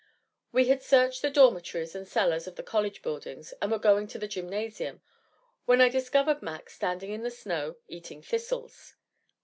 We had searched the dormitories and cellars of the college buildings and were going to the gymnasium, when I discovered Mac standing in the snow, eating thistles.